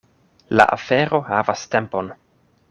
La afero havas tempon.